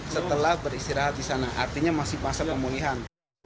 setelah beristirahat di sana artinya masih fase pemulihan